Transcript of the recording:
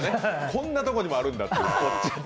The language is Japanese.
こんなとこにもあるんやっていう。